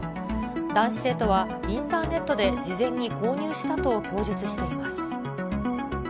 男子生徒はインターネットで事前に購入したと供述しています。